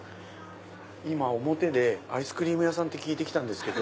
今表でアイスクリーム屋さんって聞いてきたんですけど。